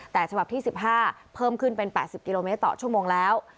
แต่ฉบับที่๑๕เพิ่มขึ้นเป็น๘๐กิโลเมตรต่อชั่วโมงแล้ว